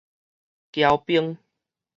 驕兵